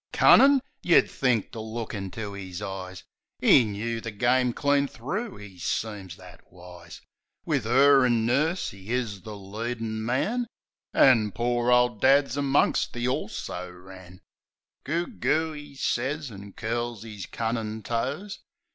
Cunnin'? Yeh'd think, to look into 'is eyes, 'E knoo the game clean thro'; 'e seems that wise. Wiv 'er an' nurse 'e is the leadin' man, An' poor ole dad's amongst the "also ran." "Goog, goo," 'e sez, an' curls 'is cunnin' toes.